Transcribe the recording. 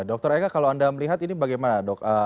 dr eka kalau anda melihat ini bagaimana dok